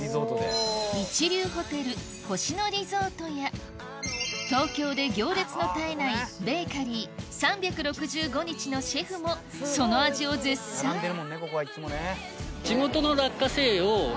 一流ホテル星野リゾートや東京で行列の絶えないベーカリー「３６５日」のシェフもその味を絶賛今後。